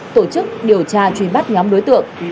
tổ chức điều tra truy bắt nhóm đối tượng